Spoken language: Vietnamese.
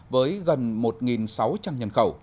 với gần một sáu trăm linh nhân khẩu